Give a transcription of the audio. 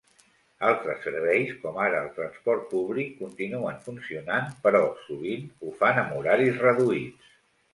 Altres serveis, com ara el transport públic, continuen funcionant, però sovint ho fan amb horaris reduïts.